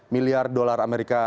delapan miliar dolar amerika serikat